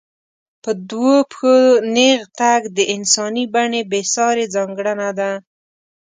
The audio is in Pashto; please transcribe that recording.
په دوو پښو نېغ تګ د انساني بڼې بېسارې ځانګړنه ده.